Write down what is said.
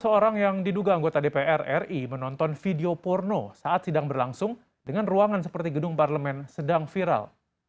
seorang yang diduga anggota dpr ri menonton video porno saat sidang berlangsung dengan ruangan seperti gedung parlemen sedang viral